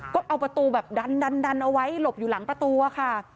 ก็เอาประตูแบบดันเอาไว้หลบอยู่หลังประตูอะค่ะ